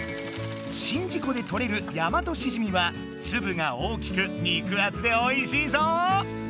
宍道湖でとれるヤマトシジミはつぶが大きく肉あつでおいしいぞ！